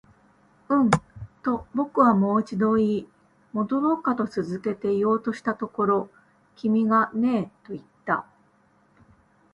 うん、と僕はもう一度言い、戻ろうかと続けて言おうとしたところ、君がねえと言った